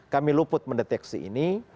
kami luput mendeteksi ini